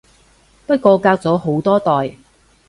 不過隔咗好多代